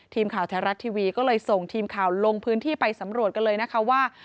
ทีมข่าวไทยรัฐทีวีก็เลยส่งทีมข่าวลงพื้นที่ไปสำรวจกันเลยนะคะว่า